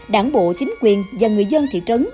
đảng bộ chính quyền và người dân thị trấn